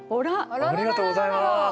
ありがとうございます。